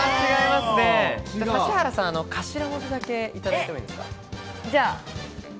指原さん、頭文字だけいただいてもいいですか？